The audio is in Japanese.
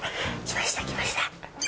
来ました来ました！